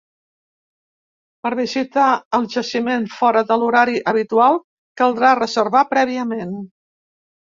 Per visitar el jaciment fora de l’horari habitual, caldrà reservar prèviament.